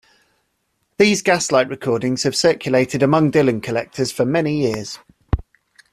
These Gaslight recordings have circulated among Dylan collectors for many years.